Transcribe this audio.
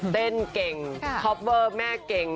เต้นเก่งคอปเวอร์แม่เก่ง